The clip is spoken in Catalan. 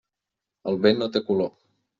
El vent no té color.